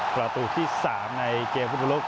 ประตูที่๓ในเกมฟุตบอลโลก